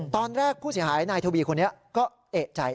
ตอนแรกผู้เสียหายนายทวีคนนี้ก็เอกใจ